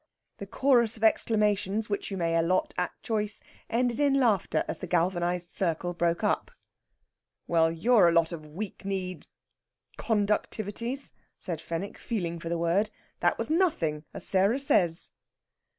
The chorus of exclamations, which you may allot at choice, ended in laughter as the galvanised circle broke up. "Well, you are a lot of weak kneed ... conductivities," said Fenwick, feeling for the word. "That was nothing, as Sarah says."